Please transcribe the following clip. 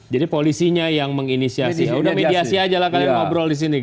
jadi polisinya yang menginisiasi udah mediasi aja lah kalian ngobrol di sini